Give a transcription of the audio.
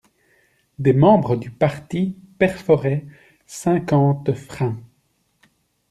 Des membres du parti perforaient cinquante freins!